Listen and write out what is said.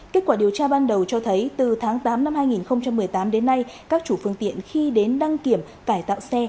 kết quả điều tra ban đầu cho thấy từ tháng tám năm hai nghìn một mươi tám đến nay các chủ phương tiện khi đến đăng kiểm cải tạo xe